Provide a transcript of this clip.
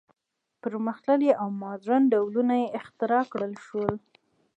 پرمختللي او ماډرن ډولونه یې اختراع کړل شول.